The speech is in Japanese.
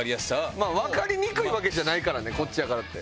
まぁ分かりにくいわけじゃないからねこっちやからって。